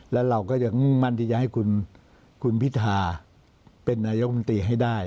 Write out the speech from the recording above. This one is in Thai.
และเราก็ยังมุ่งมั่นที่จะให้คุณพิธาเป็นนายกมนตรีให้ได้